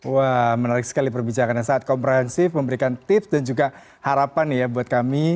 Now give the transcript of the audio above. wah menarik sekali perbicaraannya saat komprehensif memberikan tips dan juga harapan ya buat kami